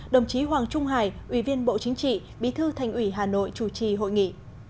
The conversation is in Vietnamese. đồng chí hoàng trung hải ủy viên bộ chính trị bí thư thành ủy hà nội chủ trì hội nghị